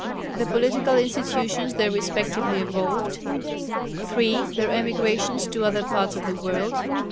The political institutions they respectively evolved. 3. Their emigrations to other parts of the world.